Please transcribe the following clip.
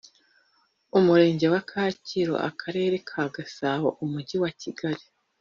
umurenge wa kacyiru akarere ka gasabo umujyi wa kigali